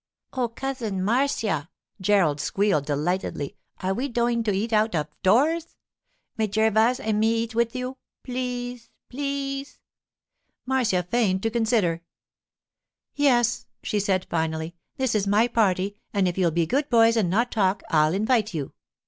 'Oh, Cousin Marcia!' Gerald squealed delightedly, 'are we doin' to eat out uv doors? May Gervas' an' me eat wif you? Please! Please!' Marcia feigned to consider. 'Yes,' said she finally, 'this is my party, and if you'll be good boys and not talk, I'll invite you.